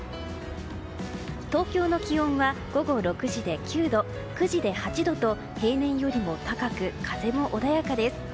東京の気温は午後６時で９度９時で８度と平年よりも高く風も穏やかです。